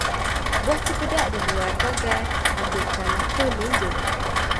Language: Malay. Buah cempedak di luar pagar, ambil galah tolong jolokkan.